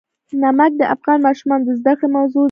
نمک د افغان ماشومانو د زده کړې موضوع ده.